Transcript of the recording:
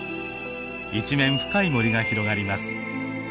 一面深い森が広がります。